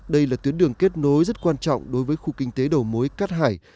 đây là tuyến đường kết nối rất quan trọng đối với khu kinh tế đầu mối cát hải